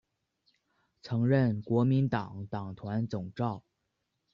曾任国民党党团总召。